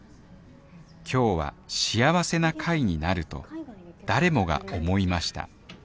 今日は幸せな会になると誰もが思いました